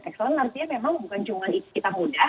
excellent artinya memang bukan cuma kita mudah